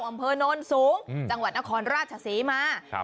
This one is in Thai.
อำเภอโน้นสูงจังหวัดนครราชศรีมา